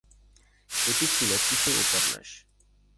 এটি ছিল কিশোর উপন্যাস।